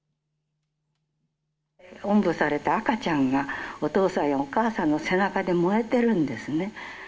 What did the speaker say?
おんぶされた赤ちゃんが、お父さんやお母さんの背中で燃えてるんですね。